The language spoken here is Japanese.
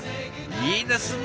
いいですね